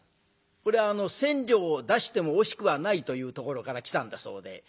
これは千両を出しても惜しくはないというところから来たんだそうで。